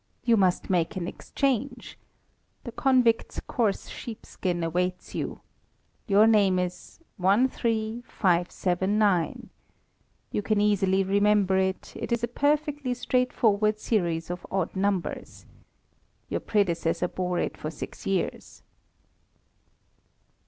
You must make an exchange. The convict's coarse sheepskin awaits you. Your name is '13579.' You can easily remember it; it is a perfectly straightforward series of odd numbers. Your predecessor bore it for six years."